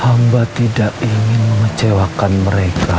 hamba tidak ingin mengecewakan mereka